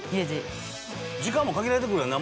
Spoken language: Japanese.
時間も限られてくるよな